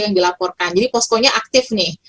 yang dilaporkan jadi poskonya aktif nih